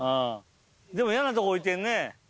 でも嫌なとこ置いてんね。